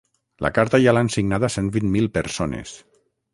La carta ja l’han signada cent vint mil persones.